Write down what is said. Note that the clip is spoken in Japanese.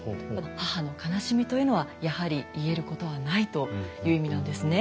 「母の悲しみというのはやはり癒えることはない」という意味なんですね。